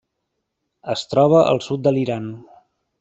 Es troba al sud de l'Iran.